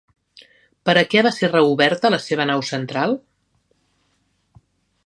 Per a què va ser reoberta la seva nau central?